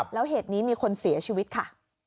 แล้วเหตุนี้มีคนเสียชีวิตค่ะ